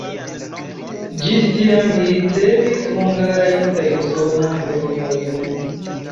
Ĝis tiam li ricevis hungarajn kaj usonan premiojn.